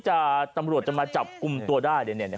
ตำรวจจะมาจับกลุ่มตัวได้เดี๋ยวเนี่ย